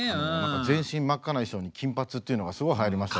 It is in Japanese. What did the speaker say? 全身真っ赤な衣装に金髪っていうのがすごいはやりましたよ。